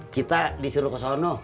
kita disuruh kesana